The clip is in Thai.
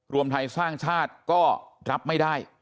รวมไทยสร้างชาติก็รับไม่ได้